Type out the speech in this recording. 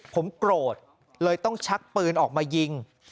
ผมโกรธเลยต้องชักปืนออกมายิง